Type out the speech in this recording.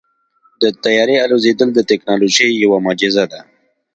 د طیارې الوزېدل د تیکنالوژۍ یوه معجزه ده.